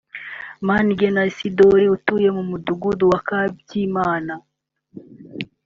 Manigera Isidole utuye mu mudugudu wa Kabyimana